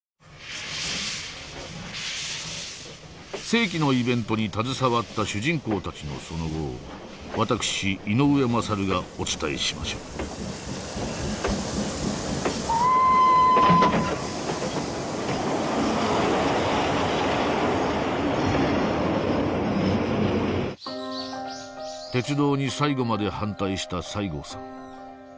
世紀のイベントに携わった主人公たちのその後を私井上勝がお伝えしましょう鉄道に最後まで反対した西郷さん。